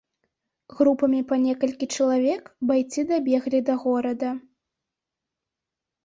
Групамі па некалькі чалавек байцы дабеглі да горада.